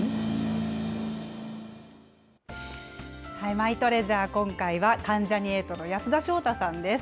マイトレジャー、今回は関ジャニ∞の安田章大さんです。